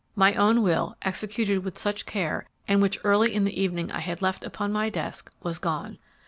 My own will, executed with such care, and which early in the evening I had left upon my desk, was gone.